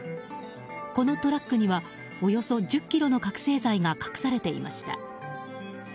このトラックにはおよそ１０ｋｇの覚醒剤が隠されていました。